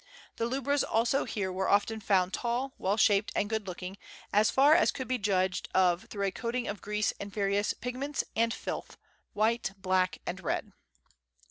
The lubras also here were often found tall, well shaped, and good looking, as far as could be judged of through a coating of grease and various pigments and filth white, black, and red.